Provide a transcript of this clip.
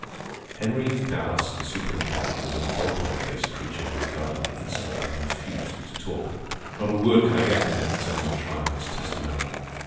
Henry Dallas, the superintendent, was a vulpine faced creature who regarded me insolently and refused to talk. Not a word could I get from him concerning the trial and his testimony.